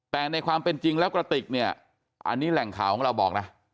แต่ในความเป็นจริงแล้วกระติกเนี่ยอันนี้แหล่งข่าวของเราบอกนะ